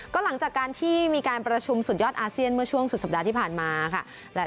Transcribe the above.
ก็หลังจากการที่มีการประชุมสุดยอดอาเซียนเมื่อช่วงสุดสัปดาห์ที่ผ่านมาค่ะ